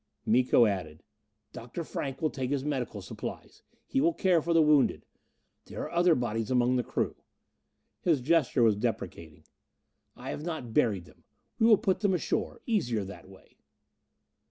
Miko added, "Dr. Frank will take his medical supplies he will care for the wounded. There are other bodies among the crew." His gesture was deprecating. "I have not buried them. We will put them ashore; easier that way."